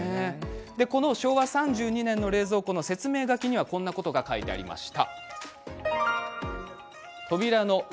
この昭和３２年の冷蔵庫の説明書きにはこんなことが書いてありました。